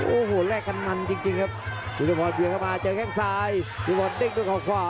โอ้โหแรกกันมันจริงครับจุฏฟรรณเบียงออกมาเจอแค่งซ้ายจุฏฟรรณดิ้งด้วยเขาขวา